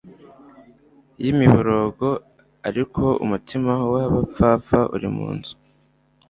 y imiborogo ariko umutima w abapfapfa uri mu nzu